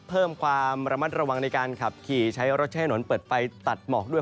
เพิ่มความระมัดระวังในการขับขี่ใช้รถใช้ถนนเปิดไฟตัดหมอกด้วย